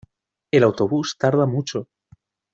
El autobús tarda mucho.